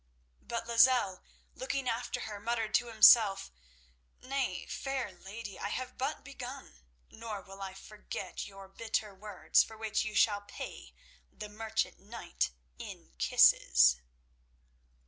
But Lozelle looking after her muttered to himself, "Nay, fair lady, I have but begun; nor will I forget your bitter words, for which you shall pay the merchant knight in kisses."